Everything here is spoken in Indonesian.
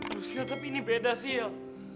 aduh sil tapi ini beda sil